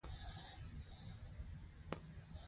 نیت باید چا ته وي؟